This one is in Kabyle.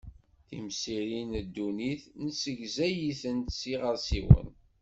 Timsirin n dunnit nessegzay-itent s yiɣersiwen.